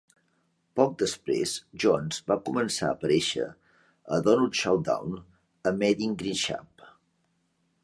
Poc després, Jones va començar a aparèixer a Donut Showdown amb Edin Grinshpan.